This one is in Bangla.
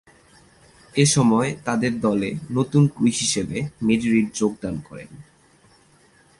এসময় তাদের দলে নতুন ক্রু হিসেবে মেরি রিড যোগদান করেন।